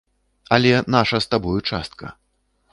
Але наша з табою частка.